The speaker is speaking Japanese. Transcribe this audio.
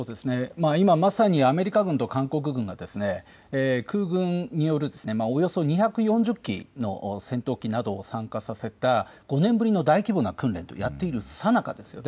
今まさにアメリカ軍と韓国軍が空軍によるおよそ２４０機の戦闘機などを参加させた５年ぶりの大規模な訓練をやっているさなかです。